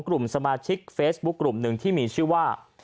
กลุ่มสมาชิกเฟซบุ๊คกลุ่มหนึ่งที่มีชื่อว่า